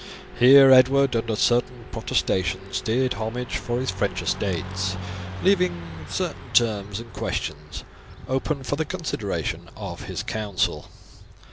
Here Edward, under certain protestations, did homage for his French estates, leaving certain terms and questions open for the consideration of his council.